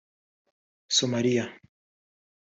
Somaliya